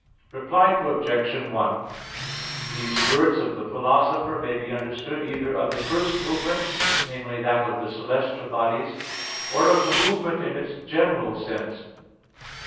Reply Obj. 1: These words of the Philosopher may be understood either of the first movement, namely, that of the celestial bodies, or of the movement in its general sense.